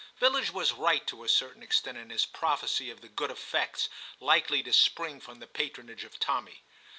Villidge was right to a certain extent in his prophecy of the good effects likely to spring from the patronage of Tommy.